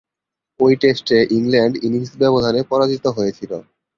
ঐ টেস্টে England innings ব্যবধানে পরাজিত হয়েছিল।